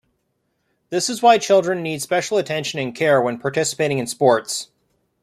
This is why children need special attention and care when participating in sports.